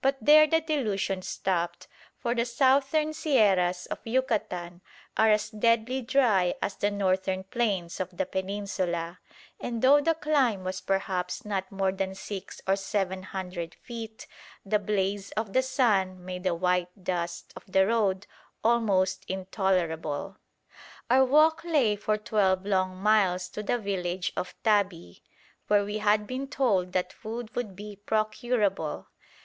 But there the delusion stopped, for the Southern Sierras of Yucatan are as deadly dry as the northern plains of the Peninsula; and though the climb was perhaps not more than six or seven hundred feet, the blaze of the sun made the white dust of the road almost intolerable. Our walk lay for twelve long miles to the village of Tabi, where we had been told that food would be procurable.